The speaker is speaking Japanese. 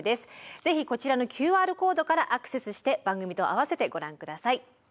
ぜひこちらのＱＲコードからアクセスして番組と併せてご覧下さい。